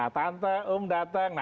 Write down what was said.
tante om datang